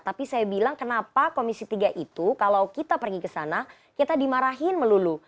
tapi saya bilang kenapa komisi tiga itu kalau kita pergi ke sana kita dimarahin melulu